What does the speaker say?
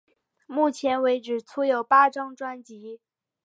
目前为止出有八张专辑。